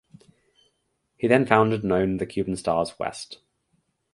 He then founded and owned the Cuban Stars (West).